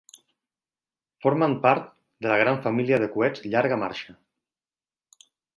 Formen part de la gran família de coets Llarga Marxa.